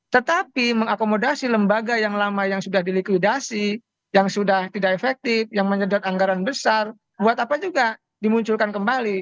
tetapi mengakomodasi lembaga yang lama yang sudah di likuidasi yang sudah tidak efektif yang menyedot anggaran besar buat apa juga dimunculkan kembali